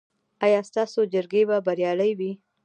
ایا ستاسو جرګې به بریالۍ وي؟